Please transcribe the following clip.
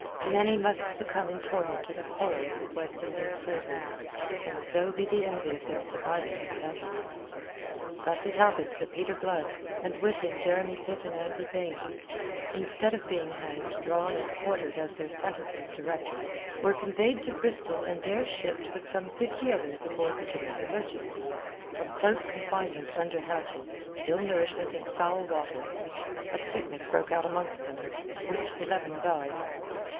Many must succumb in torment to the horrors of West Indian slavery, and so be the envy of their surviving companions. Thus it happened that Peter Blood, and with him Jeremy Pitt and Andrew Baynes, instead of being hanged, drawn, and quartered as their sentences directed, were conveyed to Bristol and there shipped with some fifty others aboard the Jamaica Merchant. From close confinement under hatches, ill nourishment and foul water, a sickness broke out amongst them, of which eleven died.